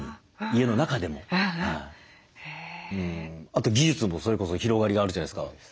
あと技術もそれこそ広がりがあるじゃないですか。